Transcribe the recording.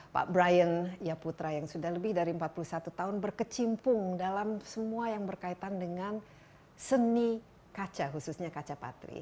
pak brian yaputra yang sudah lebih dari empat puluh satu tahun berkecimpung dalam semua yang berkaitan dengan seni kaca khususnya kaca patri